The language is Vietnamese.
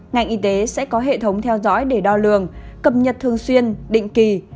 ngành y tế sẽ có hệ thống theo dõi để đo lường cập nhật thường xuyên định kỳ